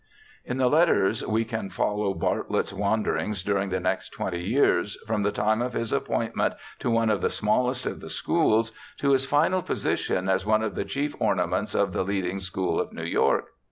In the letters we can follow Bartlett's wanderings during the next twenty years, from the time of his appointment to one of the smallest of the schools to his final position as one of the chief ornaments of the leading school of New York.